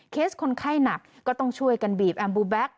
คนไข้หนักก็ต้องช่วยกันบีบแอมบูแบ็ค